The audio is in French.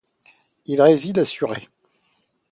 Il réside à Surrey.